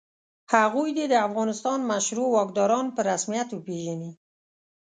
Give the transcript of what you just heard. هغوی دې د افغانستان مشروع واکداران په رسمیت وپېژني.